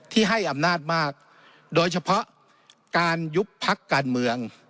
ให้อำนาจมากโดยเฉพาะการยุบพักการเมือง